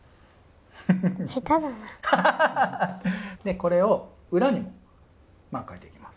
これを裏にもかいていきます。